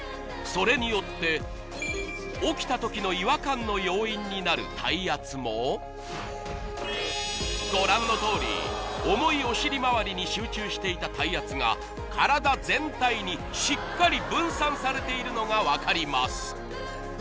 それによって起きたときの違和感の要因になる体圧もご覧のとおり重いお尻まわりに集中していた体圧が体全体にしっかり分散されているのが分かります